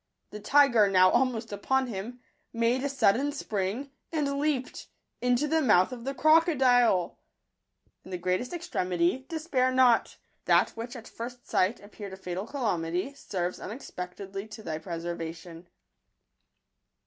The tiger, now almost upon him, made a sudden spring, and leaped — into the mouth of the crocodile ! In the greatest extremity, despair not. That which at first sight appeared a fatal calamity, serves unexpectedly to thy preser vation.